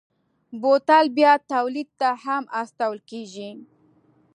بوتل بیا تولید ته هم استول کېږي.